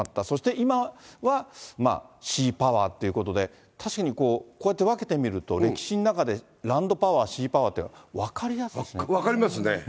そして今はまあ、シーパワーっていうことで、確かにこう、こうやって分けてみると、歴史の中でランドパワー、シーパワーって、分かりやすいですね。